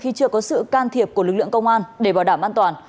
khi chưa có sự can thiệp của lực lượng công an để bảo đảm an toàn